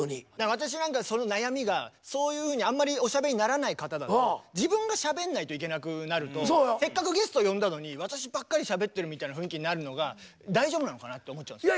私なんかその悩みがそういうふうにあんまりおしゃべりにならない方だと自分がしゃべんないといけなくなるとせっかくゲスト呼んだのに私ばっかりしゃべってるみたいな雰囲気になるのが大丈夫なのかなって思っちゃうんですよ。